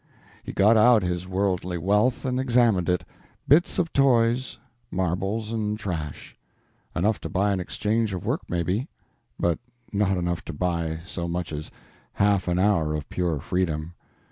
He got out his worldly wealth and examined it bits of toys, marbles and trash; enough to buy an exchange of work maybe, but not enough to buy so much as half an hour of pure freedom.